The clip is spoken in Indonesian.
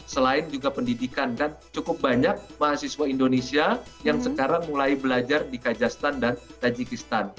selain juga pendidikan kan cukup banyak mahasiswa indonesia yang sekarang mulai belajar di kajastan dan tajikistan